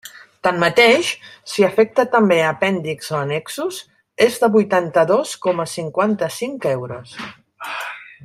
Tanmateix, si afecta també apèndixs o annexos, és de vuitanta-dos coma cinquanta-cinc euros.